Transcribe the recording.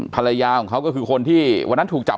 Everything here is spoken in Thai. ภรรยาของเขาก็คือคนที่วันนั้นถูกจับ